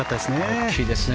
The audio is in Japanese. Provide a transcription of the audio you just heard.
大きいですね。